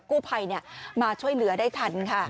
กู้ภัยมาช่วยเหลือได้ทันค่ะ